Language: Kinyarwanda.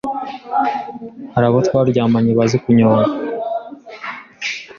hari abo twaryamanye bazi kunyonga